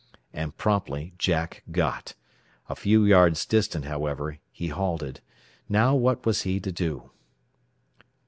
And promptly Jack "got." A few yards distant, however, he halted. Now what was he to do?